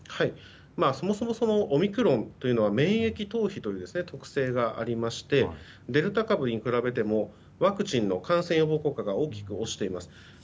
そもそもオミクロンは免疫逃避という特性がありましてデルタ株に比べてもワクチンの感染予防効果が大きく落ちています。